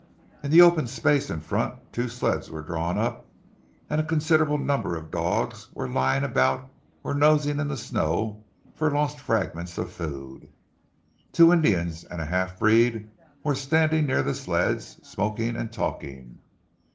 In the open space in front two sleds were drawn up, and a considerable number of dogs were lying about or nosing in the snow for lost fragments of food. Two Indians and a half breed were standing near the sleds smoking and talking.